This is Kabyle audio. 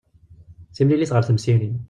Timmlilit ɣer temsirin.